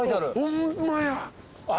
ホンマや。